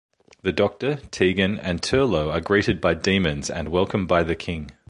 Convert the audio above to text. The Doctor, Tegan, and Turlough are greeted as demons and welcomed by the King.